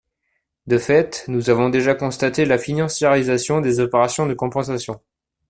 De fait, nous avons déjà constaté la financiarisation des opérations de compensation.